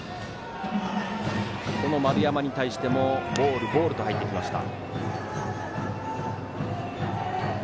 丸山に対してもボール、ボールと入っていきました。